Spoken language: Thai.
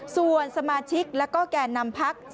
ส่วนสมาชิกและแก่นำพักธรรมดูล